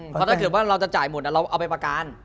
เพราะถ้าเกิดว่าเราจะจ่ายหมดเราเอาไปประกัน